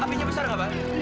apinya besar pak